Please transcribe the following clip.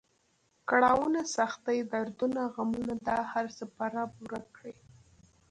کړاونه، سختۍ، دردونه، غمونه دا هر څه به رب ورک کړي.